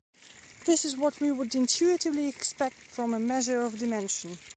This is what we would intuitively expect from a measure of dimension.